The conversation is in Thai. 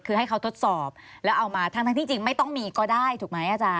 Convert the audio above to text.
คือให้เขาทดสอบแล้วเอามาทั้งที่จริงไม่ต้องมีก็ได้ถูกไหมอาจารย